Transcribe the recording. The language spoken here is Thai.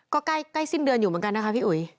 ก็ใกล้สิ้นเดือนอยู่เหมือนกันนะคะพี่อุ๋ย